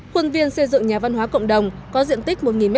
khuôn viên xây dựng nhà văn hóa cộng đồng có diện tích một m hai